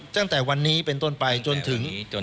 ตั้งแต่วันนี้เป็นต้นไปจนถึง